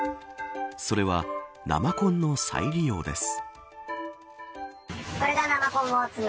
それは、生コンの再利用です。